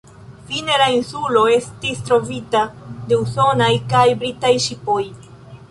Fine la insulo estis trovita de usonaj kaj britaj ŝipoj.